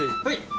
はい。